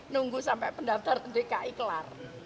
nunggu sampai pendaftar dki kelar